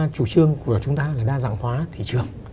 thị trường của chúng ta là đa dạng hóa thị trường